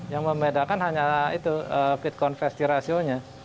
yang membedakan hanya fit konversi rasionya